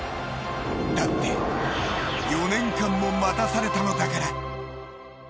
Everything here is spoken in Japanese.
だって、４年間も待たされたのだから。